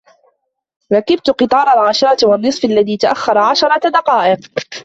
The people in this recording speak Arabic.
ركبت قطار العاشرة و النصف الذي تأخر عشرة دقائق.